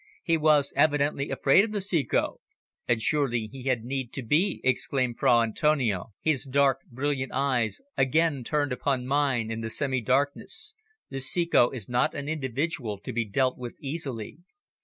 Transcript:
"He was evidently afraid of the Ceco." "And surely he had need to be," exclaimed Fra Antonio, his dark, brilliant eyes again turned upon mine in the semi darkness. "The Ceco is not an individual to be dealt with easily."